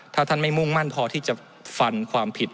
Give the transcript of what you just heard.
ถ้าท่านไม่มุ่งมั่นพอที่จะฟันความผิด